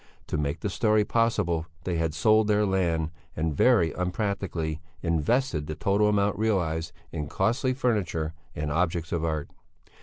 To make the story possible, they had sold their land, and, very unpractically, invested the total amount realized in costly furniture and objects of art.